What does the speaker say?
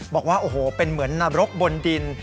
บอกว่าโอ้โหเป็นเหมือนนรกบนดิน